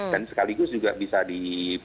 sekaligus juga bisa di